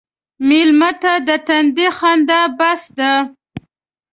مېلمه ته د تندي خندا بس ده.